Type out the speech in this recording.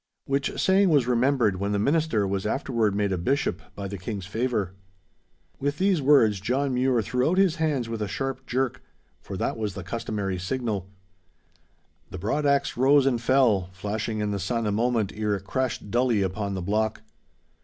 Which saying was remembered when the minister was afterward made a bishop by the King's favour. With these words, John Mure threw out his hands with a sharp jerk—for that was the customary signal. The broad axe rose and fell, flashing in the sun a moment ere it crashed dully upon the block.